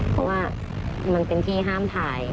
เพราะว่ามันเป็นที่ห้ามถ่าย